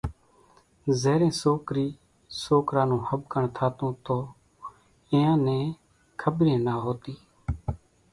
زيرين سوڪرِي سوڪرا نون ۿٻڪڻ ٿاتون تو اينيان نين کٻريئيَ نا هوتِي۔